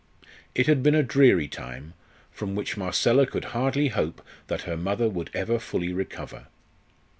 It had been a dreary time, from which Marcella could hardly hope that her mother would ever fully recover.